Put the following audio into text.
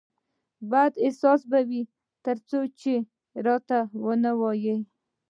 بد احساس به وي ترڅو چې راته ونه وایې